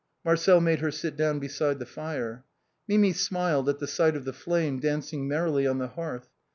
Marcel made her sit down beside the fire. Mimi smiled at the sight of the flame dancing merrily on the hearth.